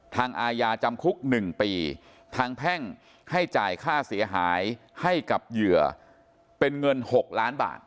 อาญาจำคุก๑ปีทางแพ่งให้จ่ายค่าเสียหายให้กับเหยื่อเป็นเงิน๖ล้านบาท